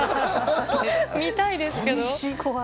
見たいですけど。